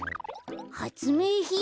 はつめいひん？